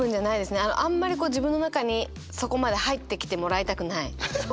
あんまり自分の中にそこまで入ってきてもらいたくない。